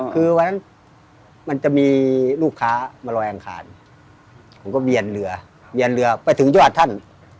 คือวันนั้นมันจะมีลูกค้ามาลอยอังคารผมก็เบียนเรือเวียนเรือไปถึงยอดท่าน